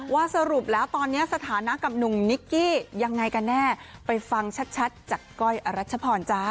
สรุปแล้วตอนนี้สถานะกับหนุ่มนิกกี้ยังไงกันแน่ไปฟังชัดจากก้อยอรัชพรจ้า